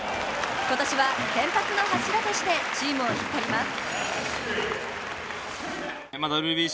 今年は先発の柱としてチームを引っ張ります。